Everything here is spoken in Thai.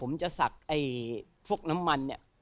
ผมจะสักพวกน้ำมันเนี่ย